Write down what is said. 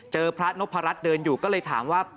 พระนพรัชเดินอยู่ก็เลยถามว่า